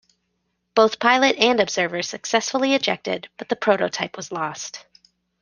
Both pilot and observer successfully ejected but the prototype was lost.